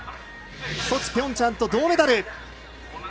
ソチ、ピョンチャンと銅メダル。